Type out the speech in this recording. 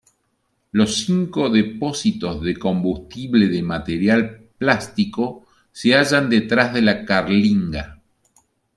Los cinco depósitos de combustible de material plástico se hallan detrás de la carlinga.